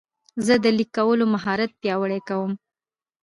زه د لیک کولو مهارت پیاوړی کوم.